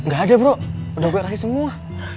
gak ada bro udah gue atasi semua